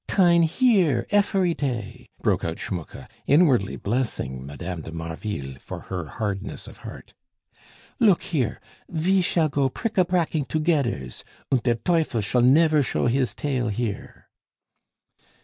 "Tine here, efery tay!" broke out Schmucke, inwardly blessing Mme. de Marville for her hardness of heart. "Look here! Ve shall go a prick a pracking togeders, und der teufel shall nefer show his tail here."